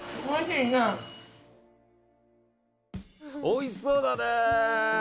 おいしそうだね！